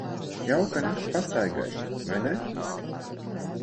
Jauka nakts pastaigai, vai ne?